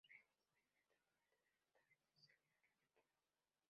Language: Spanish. Lewis, experimentado amante de la naturaleza, es el líder de la aventura.